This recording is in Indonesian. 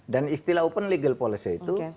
dan istilah open legal policy itu